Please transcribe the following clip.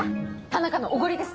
田中のおごりです。